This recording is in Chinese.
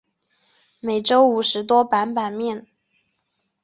每周五十多版版面。